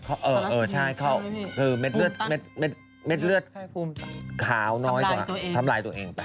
ทาราซิเมียใช่คือเม็ดเลือดคาวน้อยกว่าทำลายตัวเองไป